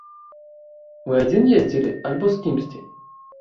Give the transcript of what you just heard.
Вы адзін ездзілі альбо з кімсьці?